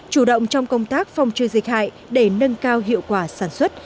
chủ động trong công tác phòng trừ dịch hại để nâng cao hiệu quả sản xuất